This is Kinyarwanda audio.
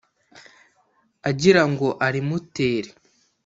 agira ngo arimutere.